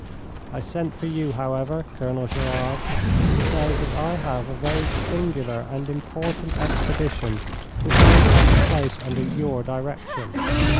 I sent for you, however, Colonel Gerard, to say that I have a very singular and important expedition which I intend to place under your direction.'